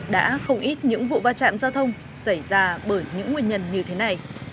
đã không ít những vụ va chạm giao thông xảy ra bởi những nguyên nhân như thế này